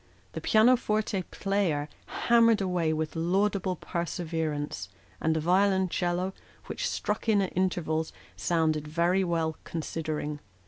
The pianoforte player hammered away with laudable perseverance ; and the violoncello, which struck in at intervals, " sounded very well, considering."